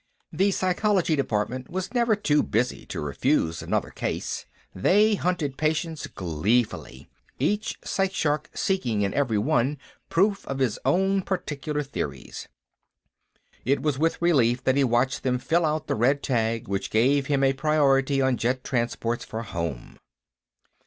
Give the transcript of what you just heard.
The Psychological Department was never too busy to refuse another case; they hunted patients gleefully, each psych shark seeking in every one proof of his own particular theories. It was with relief that he watched them fill out the red tag which gave him a priority on jet transports for home.